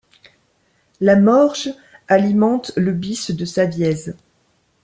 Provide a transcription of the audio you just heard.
La Morge alimente le bisse de Savièse.